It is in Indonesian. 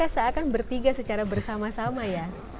seakan bertiga secara bersama sama ya